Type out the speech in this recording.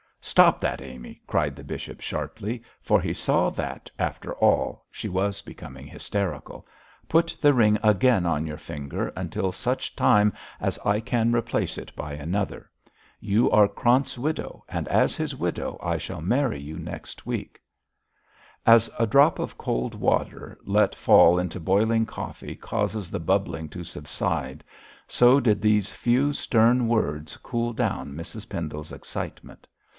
'Stop that, Amy!' cried the bishop, sharply, for he saw that, after all, she was becoming hysterical. 'Put the ring again on your finger, until such time as I can replace it by another. You are Krant's widow, and as his widow I shall marry you next week.' As a drop of cold water let fall into boiling coffee causes the bubbling to subside, so did these few stern words cool down Mrs Pendle's excitement.